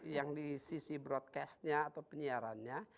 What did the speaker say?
yang di sisi broadcastnya atau penyiarannya